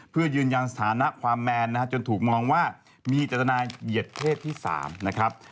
เพื่อยืนยันสถานะความแมนนะฮะจนถูกมองว่ามีจัตนาเหยียดเพศที่๓นะครับ